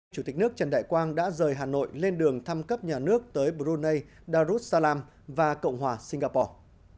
chủ tịch nước trần đại quang đã rời hà nội lên đường thăm cấp nhà nước tới brunei darussalam và cộng hòa singapore